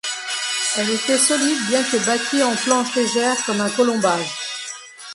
Elle était solide bien que bâtie en planches légères comme un colombage.